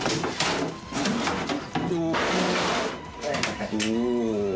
お。